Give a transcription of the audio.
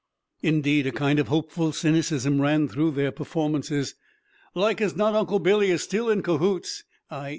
Indeed, a kind of hopeful cynicism ran through their performances. "Like as not, Uncle Billy is still in 'cahoots' (_i.